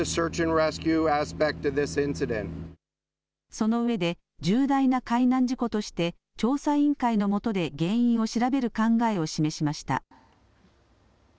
そのうえで重大な海難事故として調査委員会のもとで原因を調べる考えを示しました。